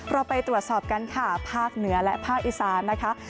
เราไปตรวจสอบกันค่ะภาคเหนือและภาคอีสานนะคะ